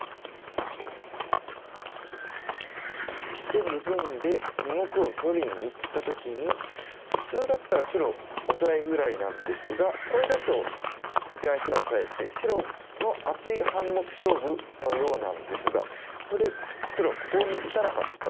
でグズんで２目を取りにいった時に普通だったら黒オサエぐらいなんですがこれだとこちらに白がオサえて白の厚い半目勝負のようなんですがここで黒ここに打たなかった。